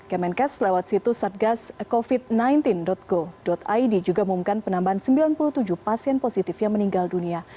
kemenkes lewat situs satgascovid sembilan belas go id juga mengumumkan penambahan sembilan puluh tujuh pasien positif yang meninggal dunia